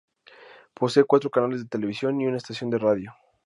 Posee cuatro canales de televisión y una estación de radio.